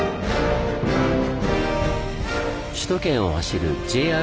首都圏を走るＪＲの車両